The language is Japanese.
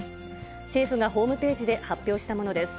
政府がホームページで発表したものです。